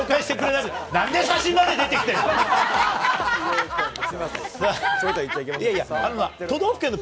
なんで写真まで出てきてんの？